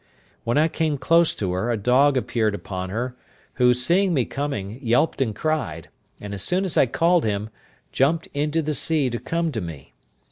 When I came close to her, a dog appeared upon her, who, seeing me coming, yelped and cried; and as soon as I called him, jumped into the sea to come to me.